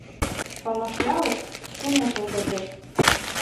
Памашъялыш шумеш волгалтеш